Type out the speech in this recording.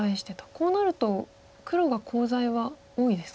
こうなると黒がコウ材は多いですか？